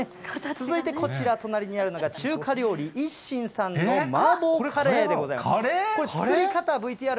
続いてこちら、隣にあるのが中華料理、一心さんの麻婆カレーでございます。